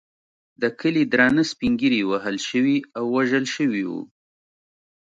د کلي درانه سپین ږیري وهل شوي او وژل شوي وو.